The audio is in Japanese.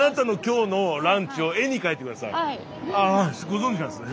ああご存じなんですね。